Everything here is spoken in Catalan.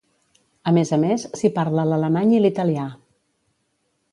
A més a més, s'hi parla l'alemany i l'italià.